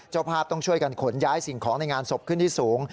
เจ้าภาพต้องช่วยกันขนย้ายสิ่งของในงานศพขึ้นที่สูง